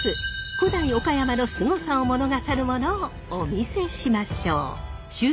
古代岡山のスゴさを物語るモノをお見せしましょう！